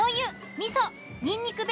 みそにんにくベ―